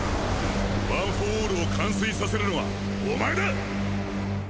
ワン・フォー・オールを完遂させるのはおまえだ！